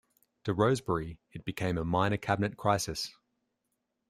To Rosebery it became a minor cabinet crisis.